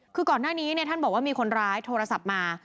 คือก่อนหน้านี้ท่านบอกว่ามีคนร้ายโทรศัพท์มา